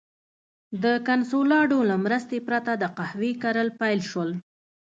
د کنسولاډو له مرستې پرته د قهوې کرل پیل شول.